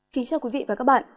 kính chào quý vị và các bạn